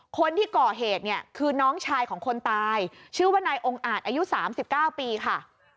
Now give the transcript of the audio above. คนที่ก่อเหตุเนี่ยคือน้องชายของคนตายชื่อว่านายองค์อาจอายุ๓๙ปีค่ะ